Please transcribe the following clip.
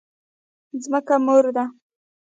ځمکه مور ده؟